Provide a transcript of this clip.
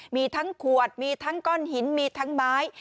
มีทั้งขวดมีทั้งก้อนหินมีทั้งไม้